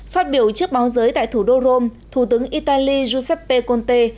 phát biểu trước báo giới tại thủ đô rome thủ tướng italy giuseppe conte